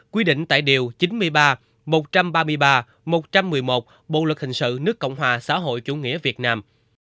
quy định tại điều chín mươi ba một trăm ba mươi ba một trăm một mươi một bộ luật hình sự nước cộng hòa xã hội chủ nghĩa việt nam